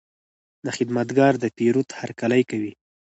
دا خدمتګر د پیرود هرکلی کوي.